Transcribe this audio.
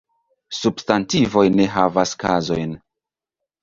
Substantivoj ne havas kazojn.